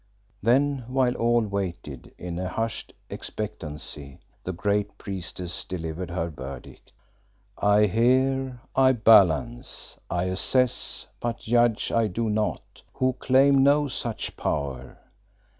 Then while all waited in a hushed expectancy, the great Priestess delivered her verdict. "I hear, I balance, I assess, but judge I do not, who claim no such power.